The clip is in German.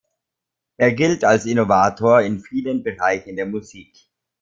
Er gilt als Innovator in vielen Bereichen der Musik.